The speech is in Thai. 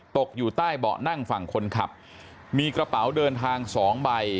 ตกอยู่ใต้เบาะนั่งฝั่งคนขับมีกระเป๋าเดินทางสองใบ